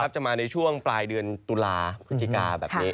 จะมาในช่วงปลายเดือนตุลาพฤศจิกาแบบนี้